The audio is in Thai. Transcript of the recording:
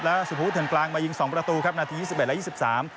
แล้วสุภวุฒิเถินกลางมายิง๒ประตูครับนาที๒๑และ๒๓